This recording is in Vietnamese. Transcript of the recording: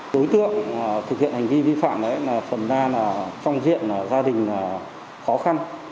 đối tượng thực hiện hành vi vi phạm là phần na trong diện gia đình khó khăn